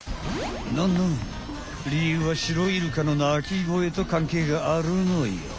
ノンノンりゆうはシロイルカの鳴き声と関係があるのよ。